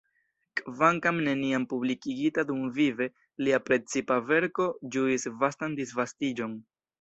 Kvankam neniam publikigita dumvive, lia precipa verko ĝuis vastan disvastiĝon.